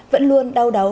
vẫn luôn đau đáu